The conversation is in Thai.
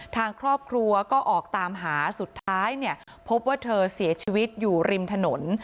ทางครอบครัวก็ออกตามหาสุดท้ายเนี่ยพบว่าเธอเสียชีวิตอยู่ริมถนน